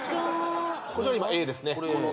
こちらは今Ａですね